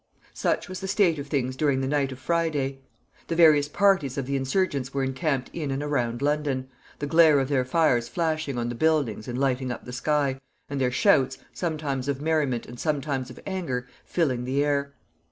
Such was the state of things during the night of Friday. The various parties of the insurgents were encamped in and around London, the glare of their fires flashing on the buildings and lighting up the sky, and their shouts, sometimes of merriment and sometimes of anger, filling the air.